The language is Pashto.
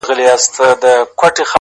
زما د زړه په هغه شين اسمان كي’